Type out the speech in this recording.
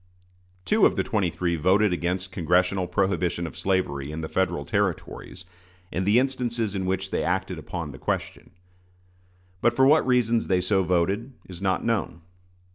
Two of the twenty three voted against congressional prohibition of slavery in the Federal Territories, in the instances in which they acted upon the question. But for what reasons they so voted is not known.